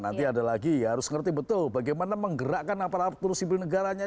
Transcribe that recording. nanti ada lagi ya harus ngerti betul bagaimana menggerakkan aparatur sipil negaranya